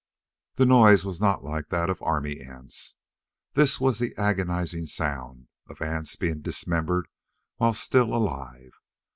The noise was not like that of army ants. This was the agonizing sound of ants being dismembered while still alive.